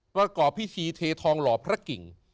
ประกอบพิธีเททองหล่อพระกิ่ง